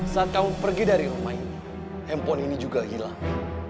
saat kamu pergi dari rumah ini handphone ini juga hilang